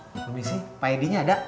belum isi pid nya ada